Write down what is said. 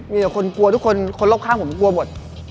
มีแต่คนกลัวทุกคนคนรอบข้างผมกลัวหมด